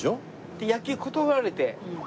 で野球断られて。